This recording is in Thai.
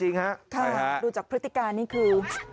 ใช่ฮะดูจากพฤติการนี้คือ